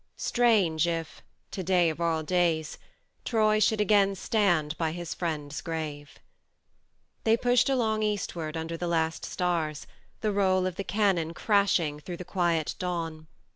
Strange if, to day of all days, Troy should again stand by his friend's grave. They pushed along eastward under the last stars, the roll of the cannon 108 THE MARNE 109 crashing through the quiet dawn.